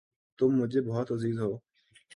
تم مجھے بہت عزیز ہو